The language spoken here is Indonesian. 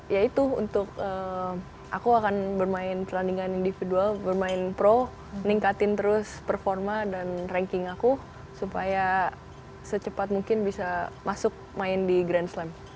ya itu untuk aku akan bermain perlandingan individual bermain pro ningkatin terus performa dan ranking aku supaya secepat mungkin bisa masuk main di grand slam